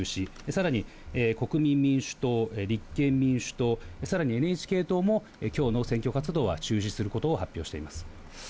さらに、国民民主党、立憲民主党、さらにＮＨＫ党も、きょうの選挙活動は中止することを発表しています。